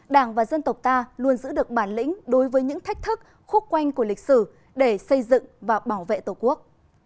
đảng và dân tộc ta luôn giữ được bản lĩnh đối với những thách thức khuất quanh của lịch sử để xây dựng và bảo vệ tổ quốc